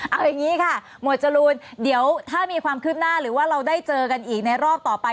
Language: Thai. เอาอย่างนี้ค่ะหมวดจรูนเดี๋ยวถ้ามีความคืบหน้าหรือว่าเราได้เจอกันอีกในรอบต่อไป